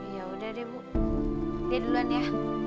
yaudah deh bu lia duluan ya